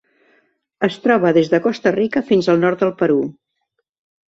Es troba des de Costa Rica fins al nord del Perú.